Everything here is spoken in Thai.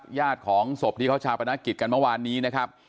ญาติของศพที่เขาชาปนกิจกันเมื่อวานนี้นะครับ